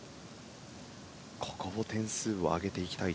ここも点数を上げていきたい。